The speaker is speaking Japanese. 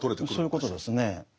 そういうことですね。